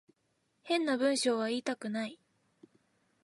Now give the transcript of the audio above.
変な文章は言いたくない